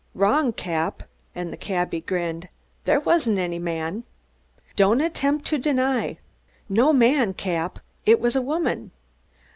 "Wrong, Cap," and the cabby grinned. "There wasn't any man." "Don't attempt to deny " "No man, Cap. It was a woman."